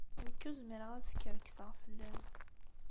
Nekk ur zmireɣ ad skerkseɣ fell-am.